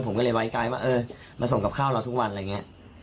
ผมก็เลยไว้ใจว่าเออมาส่งกับข้าวเราทุกวันอะไรอย่างนี้